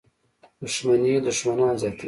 • دښمني دښمنان زیاتوي.